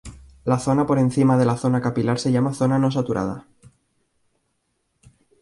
La zona por encima de la zona capilar se llama "zona no saturada".